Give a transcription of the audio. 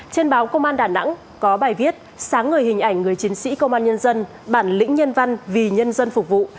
trên báo công an đà nẵng có bài viết sáng ngời hình ảnh người chiến sĩ công an nhân dân bản lĩnh nhân văn vì nhân dân phục vụ